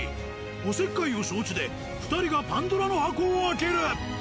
おせっかいを承知で２人がパンドラの箱を開ける！